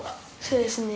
そうですね。